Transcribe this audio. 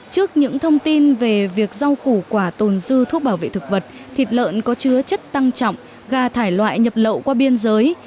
trước những thông tin về việc rau củ quả tồn dư thuốc bảo vệ thực vật thịt lợn có chứa chất tăng trọng gà thải loại nhập lậu qua biên giới